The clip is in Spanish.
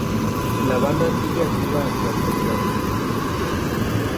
La banda sigue activa hasta la actualidad.